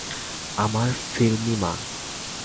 আমার ফিল্মি মা।